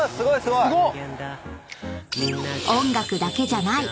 ［音楽だけじゃない！